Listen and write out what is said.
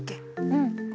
うん。